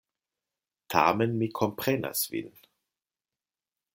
Tamen mi komprenas Vin!